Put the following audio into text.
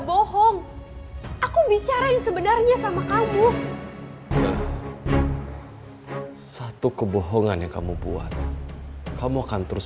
bohong aku bicara yang sebenarnya sama kamu satu kebohongan yang kamu buat kamu akan terus